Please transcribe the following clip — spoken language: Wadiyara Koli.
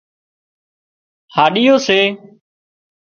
هاڏيو سي